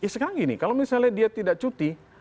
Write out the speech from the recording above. sekarang gini kalau misalnya dia tidak cuti